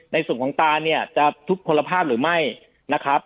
ในส่วนของตาเนี่ยจะทุกคนภาพหรือไม่นะครับ